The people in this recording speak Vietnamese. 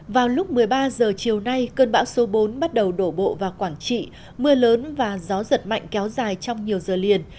vào lúc một mươi ba h chiều nay cơn bão số bốn bắt đầu đổ bộ vào quảng trị mưa lớn và gió giật mạnh kéo dài trong nhiều giờ liền